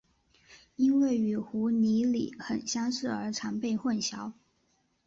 因为与湖拟鲤很相似而常被混淆。